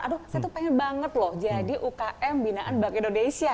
aduh saya tuh pengen banget loh jadi ukm binaan bank indonesia